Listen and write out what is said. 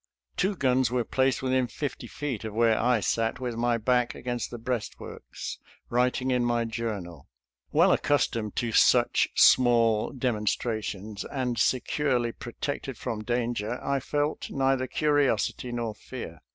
Two guns were placed within fifty feet of where I sat with my back against the breastworks, writing in my journal. Well accustomed to such small dem onstrations, and securely protected from danger, I felt neither curiosity nor fear.